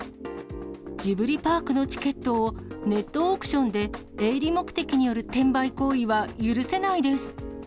ジブリパークのチケットをネットオークションで営利目的による転売行為は許せないです。